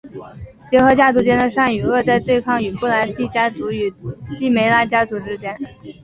结合家族间的善与恶的对抗在布莱帝家族与帝梅拉家族之间。